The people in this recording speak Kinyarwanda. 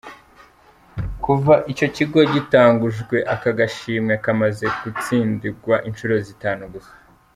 Kuva ico kigo gitangujwe ako gashimwe kamaze gutsindigwa incuro zitanu gusa.